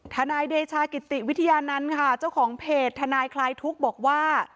ทนายเดชากิติวิทยานันต์ค่ะเจ้าของเพจทนายคลายทุกข์บอกว่า